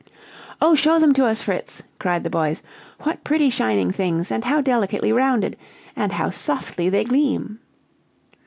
"Oh, show them to us, Fritz!" cried the boys. "What pretty shining things! and how delicately rounded, and how softly they gleam!"